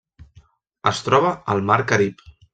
Es troba al Mar Carib.